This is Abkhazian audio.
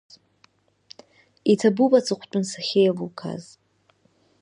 Иҭабуп аҵыхәтәан сахьеилукааз!